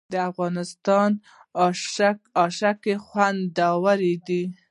د افغانستان اشک خوندور دي